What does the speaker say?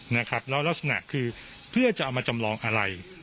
นะครับแล้วลักษณะคือเพื่อจะเอามาจำลองอะไร